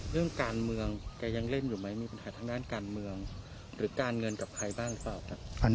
เรื่องการเมืองแกยังเล่นอยู่ไหมมีปัญหาทางด้านการเมืองหรือการเงินกับใครบ้างหรือเปล่าครับ